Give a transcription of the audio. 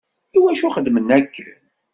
Iwacu xeddmen akken?